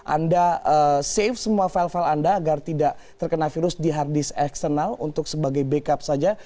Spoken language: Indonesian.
anda save semua file file anda agar tidak terkena virus di hard disk eksternal untuk sebagai backup saja